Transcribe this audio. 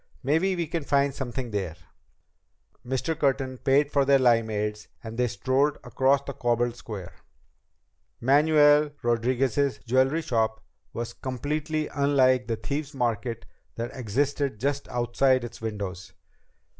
Maybe we can find something there." Mr. Curtin paid for their limeades, and they strolled across the cobbled square. Manuel Rodriguez's jewelry shop was completely unlike the Thieves' Market that existed just outside its windows.